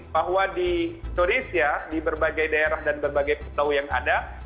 bahwa di indonesia di berbagai daerah dan berbagai pulau yang ada